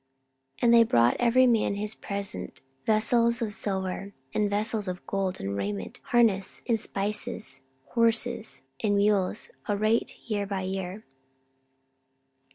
14:009:024 And they brought every man his present, vessels of silver, and vessels of gold, and raiment, harness, and spices, horses, and mules, a rate year by year.